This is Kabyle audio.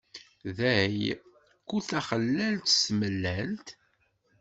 Day, kul taxellalt, s tmellat?